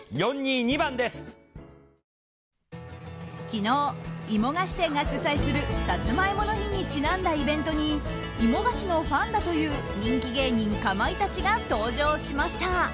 昨日、芋菓子店が主催するさつまいもの日にちなんだイベントに芋菓子のファンだという人気芸人かまいたちが登場しました。